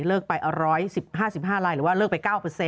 เลิกไป๑๑๕๑๕ลายหรือว่าเลิกไป๙